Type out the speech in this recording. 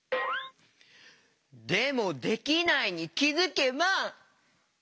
でも「できないに気づけば」？